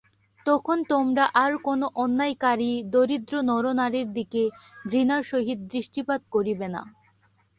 তখন তোমরা আর কোন অন্যায়কারী দরিদ্র নরনারীর দিকে ঘৃণার সহিত দৃষ্টিপাত করিবে না।